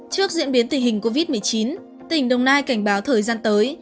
trước diễn biến tình hình covid một mươi chín tỉnh đồng nai cảnh báo thời gian tới